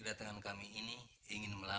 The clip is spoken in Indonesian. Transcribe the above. kalau begitu mingat kau